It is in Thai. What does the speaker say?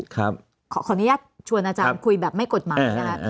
ขออนุญาตชวนอาจารย์คุยแบบไม่กฎหมายนะคะ